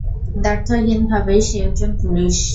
দ্ব্যর্থহীনভাবেই, সে একজন পুরুষ।